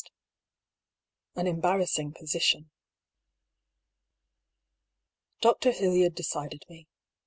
• An embarrassing position. Dr. Hildyard decided me.